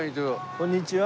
こんにちは。